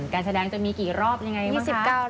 การแสดงจะมีกี่รอบหรือยังไงบ้างคะ